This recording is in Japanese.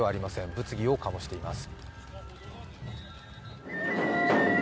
物議を醸しています。